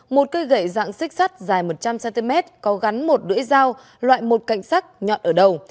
một cây gậy dạng xích sắt dài một trăm linh cm có gắn một đuỗi dao loại một cạnh sắt nhọn ở đầu